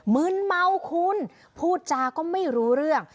มึนเมาคุณพูดจาก็ไม่รู้เรื่อง